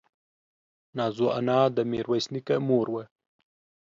نازو انا د ميرويس نيکه مور وه.